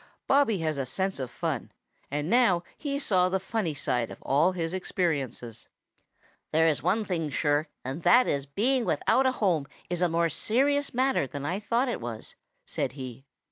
Bobby has a sense of fun, and now he saw the funny side of all his experiences. "There is one thing sure, and that is being without a home is a more serious matter than I thought it was," said he.